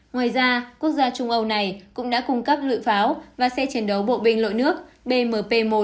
ngoài ra quốc gia trung âu này cũng đã cung cấp lựu pháo và xe chiến đấu bộ binh lội nước bmp một